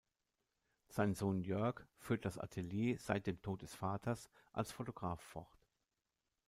Sein Sohn Jörg führt das Atelier seit dem Tod des Vaters als Fotograf fort.